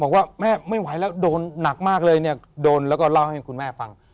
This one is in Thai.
บอกว่าแม่ไม่ไหวแล้วโดนหนักมากเลยเนี่ยโดนแล้วก็เล่าให้คุณแม่ฟัง